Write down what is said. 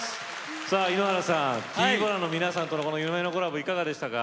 さあ井ノ原さんＴ−ＢＯＬＡＮの皆さんとのこの夢のコラボいかがでしたか？